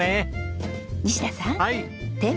西田さん。